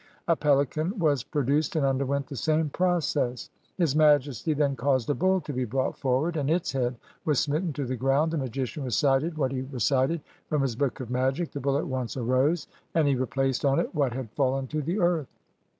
A pelican was pro duced and underwent the same process. His Majesty then caused a bull to be brought forward, and its head was smitten to the ground: the magician recited what he recited from his book of magic; the bull at once arose, and he replaced on it what had fallen to the earth."